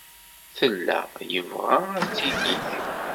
Tella yebɣa ad tinig.